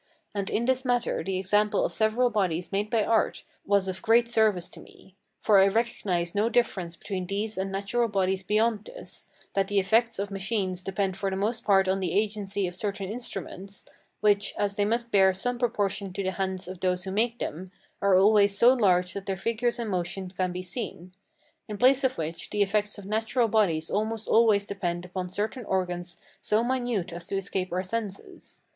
And in this matter the example of several bodies made by art was of great service to me: for I recognize no difference between these and natural bodies beyond this, that the effects of machines depend for the most part on the agency of certain instruments, which, as they must bear some proportion to the hands of those who make them, are always so large that their figures and motions can be seen; in place of which, the effects of natural bodies almost always depend upon certain organs so minute as to escape our senses.